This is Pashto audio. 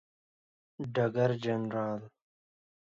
ډګر جنرال